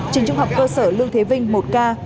trường trung học cơ sở lương thế vinh một k